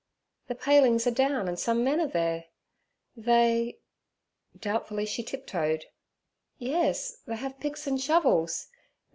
'The palings are down and some men are there. They' doubtfully till she tip toed—'yes, they have picks and shovels.